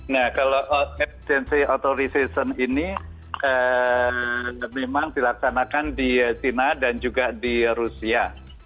nah kalau emergency authorization ini memang dilaksanakan di china dan juga di rusia